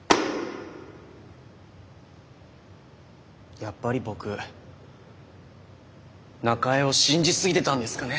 やっぱり僕中江を信じすぎてたんですかね。